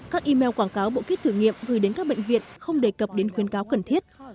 các email quảng cáo bộ kít thử nghiệm gửi đến các bệnh viện không đề cập đến khuyến cáo cần thiết